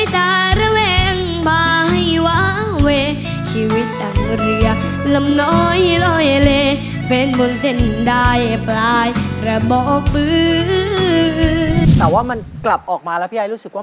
แต่ว่ามันกลับออกมาแล้วพี่ไอ้รู้สึกว่ามันเป็นความแหบแดนใต้นะครับ